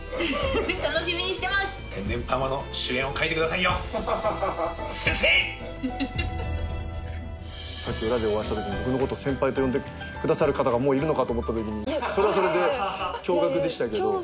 さっき裏でお会いしたときに僕のこと先輩と呼んでくださる方がもういるのかと思ったときにそれはそれで驚愕でしたけど。